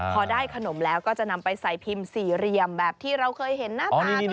พอได้ขนมแล้วก็จะนำไปใส่พิมพ์สี่เรียมแบบที่เราเคยเห็นน่าสมาร์ทเข้าไป